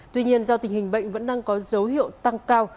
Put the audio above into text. tuy nhiên do tình hình bệnh vẫn đang có dấu hiệu tăng cao